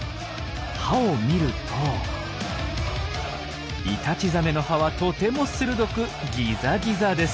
歯を見るとイタチザメの歯はとても鋭くギザギザです。